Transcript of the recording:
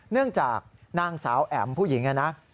เนื่องจากนางสาวแอ๋มผู้หญิงนะ